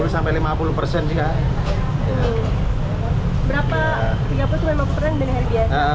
berapa tiga puluh sampai lima puluh dari hari biasa